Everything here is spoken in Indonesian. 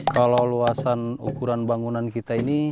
kalau luasan ukuran bangunan kita ini